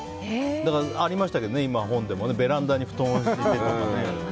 だから今ありましたけどベランダに布団を敷いてとか。